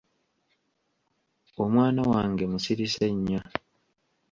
Omwana wange musirise nnyo.